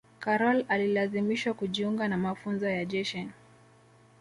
karol alilazimishwa kujiunga na mafunzo ya jeshi